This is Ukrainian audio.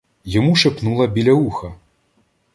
Йому шепнула біля уха